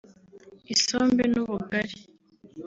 isombe n’ubugari